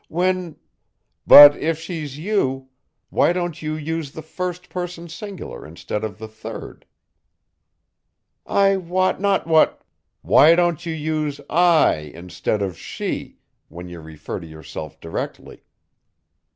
When " "But if she's you, why don't you use the first person singular instead of the third?" "I wot not what " "Why don't you use 'I' instead of 'she' when you refer to yourself directly?"